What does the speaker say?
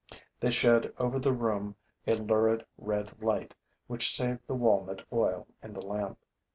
They shed over the room a lurid red light, which saved the walnut oil in the lamp.